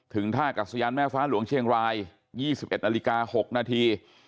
ท่ากัศยานแม่ฟ้าหลวงเชียงราย๒๑นาฬิกา๖นาที